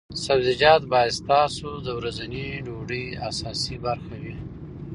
سبزیجات باید ستاسو د ورځنۍ ډوډۍ اساسي برخه وي.